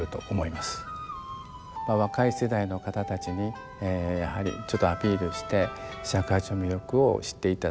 まあ若い世代の方たちにやはりちょっとアピールして尺八の魅力を知っていただくと。